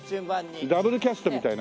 ダブルキャストみたいな。